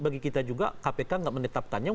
bagi kita juga kpk nggak menetapkannya